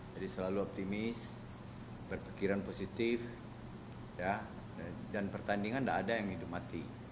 jadi selalu optimis berpikiran positif dan pertandingan tidak ada yang hidup mati